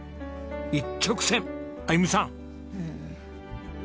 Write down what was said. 一直線あゆみさん。